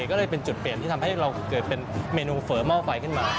ก็เลยเป็นจุดเปลี่ยนที่ทำให้เราเกิดเป็นเมนูเฝอหม้อไฟขึ้นมา